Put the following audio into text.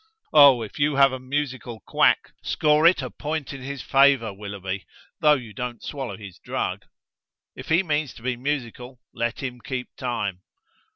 "Oh, if you have a musical quack, score it a point in his favour, Willoughby, though you don't swallow his drug." "If he means to be musical, let him keep time."